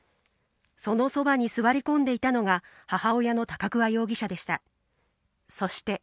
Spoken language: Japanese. そのそばに座り込んでいたのが、母親の高桑容疑者でした。